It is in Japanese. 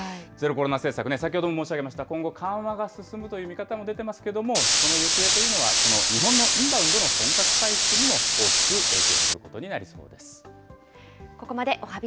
ゼロコロナ政策、先ほども申し上げました、今後、緩和が進むという見方も出てますけれども、その行方というのはこの日本のインバウンドの本格回復にも大きく影響